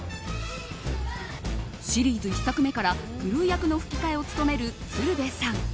シリーズ１作目からグルー役の吹き替えを務める鶴瓶さん。